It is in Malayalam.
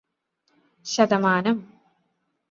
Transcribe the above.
ശതമാനം